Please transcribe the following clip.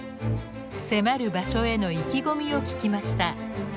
迫る場所への意気込みを聞きました。